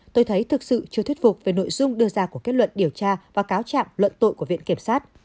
tôi thấy thực sự chưa thuyết phục về nội dung đưa ra của kết luận điều tra và cáo trạng luận tội của viện kiểm sát